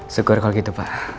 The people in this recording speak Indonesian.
syukur kalau gitu pak